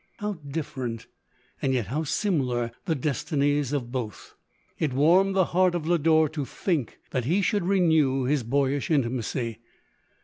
How dif ferent — and yet how similar — the destinies of both ! It warmed the heart of Lodore to think that he should renew his boyish intimacy.